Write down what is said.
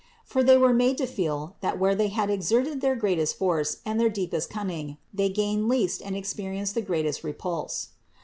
For they were made to feel that where they had exerted their greatest force and their deepest cunning, they gained least and experienced the greatest repulse.